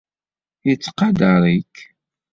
Yettqadar-ik.